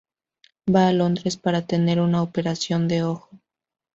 Va a Londres para tener una operación de ojo.